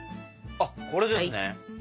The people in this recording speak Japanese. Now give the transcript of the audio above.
あっこれですね。